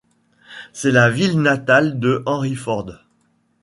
C'est la ville natale de Henry Ford.